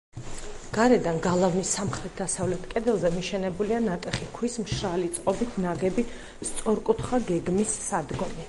გარედან, გალავნის სამხრეთ-დასავლეთ კედელზე, მიშენებულია ნატეხი ქვის მშრალი წყობით ნაგები, სწორკუთხა გეგმის სადგომი.